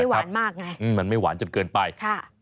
ไม่ได้หวานมากไงอืมมันไม่หวานจนเกินไปค่ะ